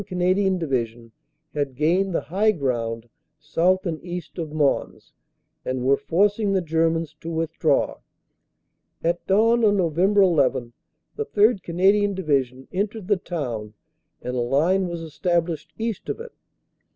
Canadian Divi sion had gained the high ground south and east of Mons and were forcing the Germans to withdraw. At dawn on Nov. 1 1 the 3rd. Canadian Division entered the town and a line was established east of it.